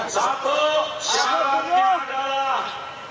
satu syaratnya adalah